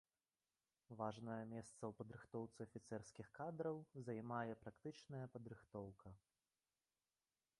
Важнае месца ў падрыхтоўцы афіцэрскіх кадраў займае практычная падрыхтоўка.